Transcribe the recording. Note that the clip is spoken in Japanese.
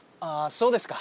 そうですか。